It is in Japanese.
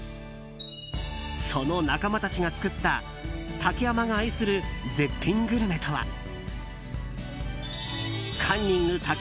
その仲間たちが作った竹山が愛する絶品グルメとは。